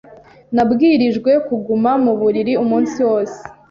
Nabwirijwe kuguma mu buriri umunsi wose.